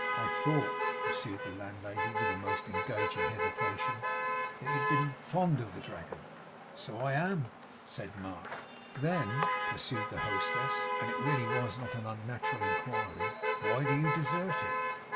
'I thought,' pursued the landlady, with a most engaging hesitation, 'that you had been fond of the Dragon?' 'So I am,' said Mark. 'Then,' pursued the hostess and it really was not an unnatural inquiry 'why do you desert it?